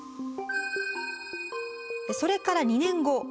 それから２年後